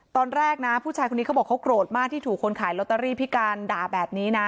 ตอนแรกนะผู้ชายคนนี้เขาบอกเขาโกรธมากที่ถูกคนขายลอตเตอรี่พิการด่าแบบนี้นะ